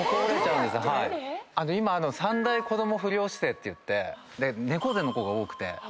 今３大子ども不良姿勢っていって猫背の子が多くて。